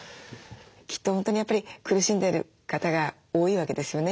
きっと本当にやっぱり苦しんでる方が多いわけですよね